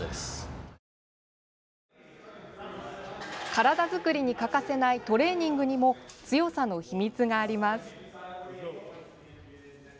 体作りに欠かせないトレーニングにも強さの秘密があります。